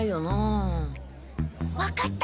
分かった。